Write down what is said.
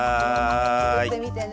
つくってみてね！